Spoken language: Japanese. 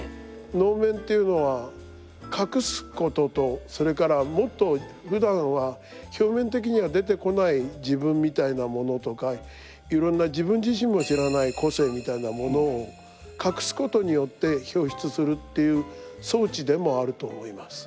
能面というのは隠すこととそれからもっとふだんは表面的には出てこない自分みたいなものとかいろんな自分自身も知らない個性みたいなものを隠すことによって表出するっていう装置でもあると思います。